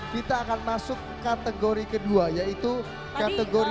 vita akan masuk kategori kedua yaitu kategori